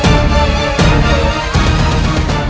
apa yang dilakukan